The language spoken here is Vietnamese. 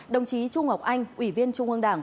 đồng chí trung ngọc anh ủy viên trung ương đảng